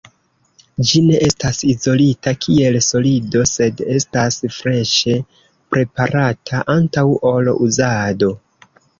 Ĝi ne estas izolita kiel solido, sed estas freŝe preparata antaŭ ol uzado.